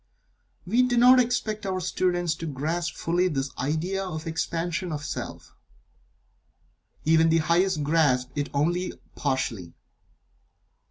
We do not expect our students to grasp fully this idea of the Expansion of Self. Even the highest grasp it only partially.